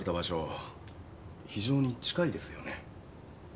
非常に近いですよね？